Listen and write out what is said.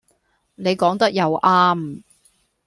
你講得又啱